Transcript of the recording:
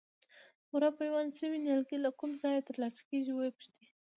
غوره پیوند شوي نیالګي له کوم ځایه ترلاسه کېږي وپوښتئ.